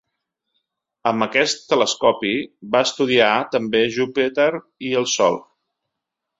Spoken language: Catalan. Amb aquest telescopi va estudiar també Júpiter i el Sol.